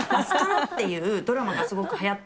っていうドラマがはやって。